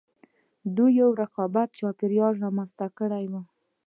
دوی یو رقابتي چاپېریال رامنځته کړی و